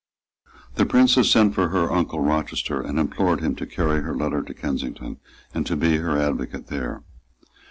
The Princess sent for her uncle Rochester, and implored him to carry her letter to Kensington, and to be her advocate there.